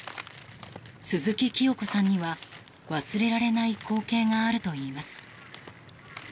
鈴木きよ子さんには忘れられない光景があるといいます。